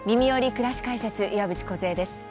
くらし解説」岩渕梢です。